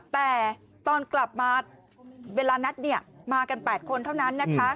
แต่ตอนกลับมาเวลานัดมากัน๘คนเท่านั้นนะคะ